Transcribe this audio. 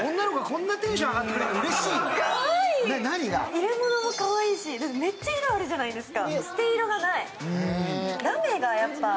入れ物がかわいいし、めっちゃ色あるじゃないですか。